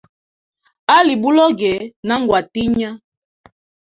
Ali buloge na ngwa tinya.